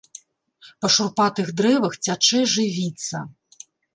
Па шурпатых дрэвах цячэ жывіца.